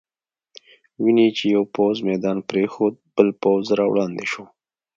وینې چې یو پوځ میدان پرېښود، بل پوځ را وړاندې شو.